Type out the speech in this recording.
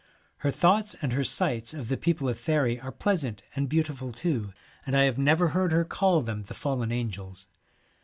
Her thoughts and her sights of the people of faery are pleasant and beautiful too, and I have never heard her call them 72 the Fallen Angels.